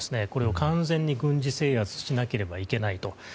これを完全に軍事制圧しなければいけないと。